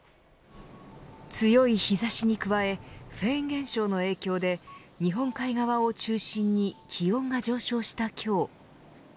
強い日差しに加えフェーン現象の影響で日本海側を中心に気温が上昇した今日。